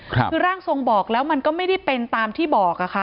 คือร่างทรงบอกแล้วมันก็ไม่ได้เป็นตามที่บอกอะค่ะ